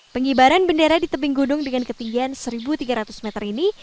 pengibaran bendera di tebing gunung dengan ketinggian satu tiga ratus meter ini